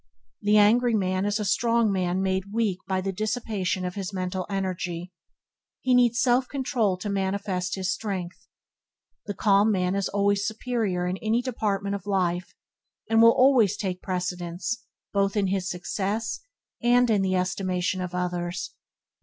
The angry man is a strong man made weak by the dissipation of his mental energy. He needs self control to manifest his strength. The calm man is always his superior in any department of life, and will always take precedence of him, both in his success, and in the estimation of others.